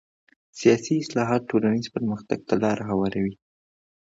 سیاسي اصلاحات ټولنیز پرمختګ ته لاره هواروي